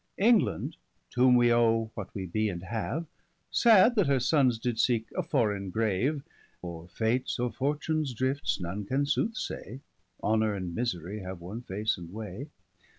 England to whom we'owe, what we be, and have, Sad that her sonnes did seeke a forraine grave 10 (For, Fates, or Fortunes drifts none can soothsay, Honour and misery have one face and way.)